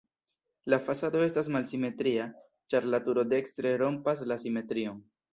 La fasado estas malsimetria, ĉar la turo dekstre rompas la simetrion.